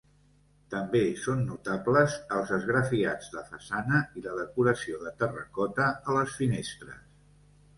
També són notables els esgrafiats de façana i la decoració de terracota a les finestres.